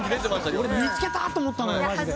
俺「見つけた！」と思ったのよマジで。